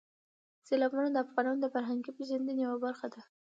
سیلابونه د افغانانو د فرهنګي پیژندنې یوه برخه ده.